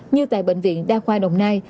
như tại bệnh viện đa khoa đồng nai